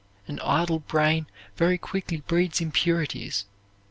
An idle brain very quickly breeds impurities.